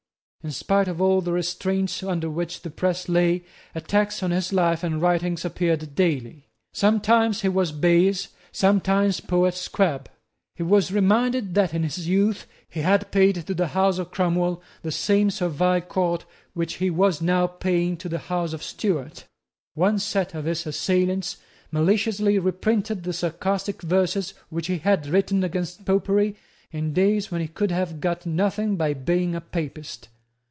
In spite of all the restraints under which the press lay, attacks on his life and writings appeared daily. Sometimes he was Bayes, sometimes Poet Squab. He was reminded that in his youth he had paid to the House of Cromwell the same servile court which he was now paying to the House of Stuart. One set of his assailants maliciously reprinted the sarcastic verses which he had written against Popery in days when he could have got nothing by being a Papist.